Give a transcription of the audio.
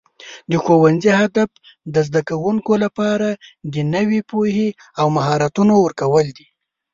د ښوونځي هدف د زده کوونکو لپاره د نوي پوهې او مهارتونو ورکول دي.